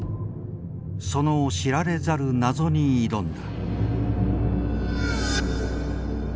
その知られざる謎に挑んだ。